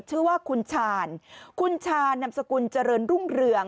ชื่อว่าคุณชาญคุณชานำสกุลเจริญรุ่งเรือง